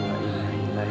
yang akan membuat